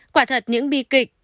quả thật những bi kịch